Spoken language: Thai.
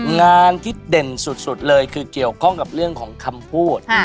งานที่เด่นสุดเลยคือเกี่ยวข้องกับเรื่องของคำพูด